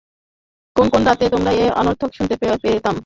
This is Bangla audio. কোন কোন রাতে, আমরা ওর আর্তনাদ শুনতে পেতাম।